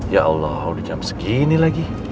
ya allah udah jam segini lagi